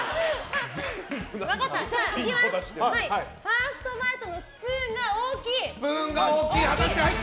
分かった、ファーストバイトのスプーンが大きい。